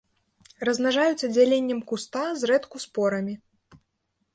Размнажаюцца дзяленнем куста, зрэдку спорамі.